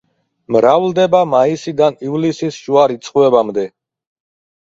მრავლდება მაისიდან ივლისის შუა რიცხვებამდე.